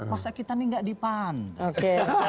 masa kita ini tidak di pandang